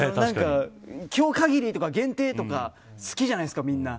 今日限りとか限定とか好きじゃないですか、みんな。